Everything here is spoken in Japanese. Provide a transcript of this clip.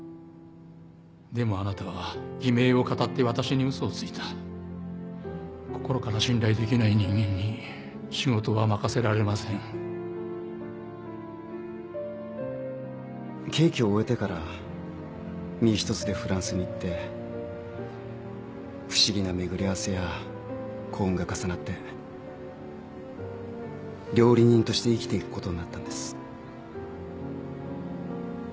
でもあなたは偽名をかたって私にうそ心から信頼できない人間に仕事は任せられ刑期を終えてから身一つでフランスに行って不思議な巡り合わせや幸運が重なって料理人として生きていくことになったんです。